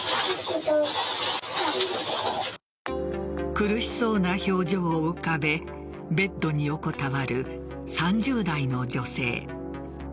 苦しそうな表情を浮かべベッドに横たわる３０代の女性。